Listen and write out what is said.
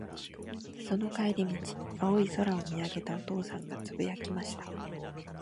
その帰り道、青い空を見上げたお父さんが、つぶやきました。